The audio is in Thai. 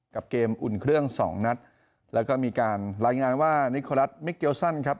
กับเกมอุ่นเครื่องสองนัดแล้วก็มีการรายงานว่านิโครัฐมิเกลซันครับ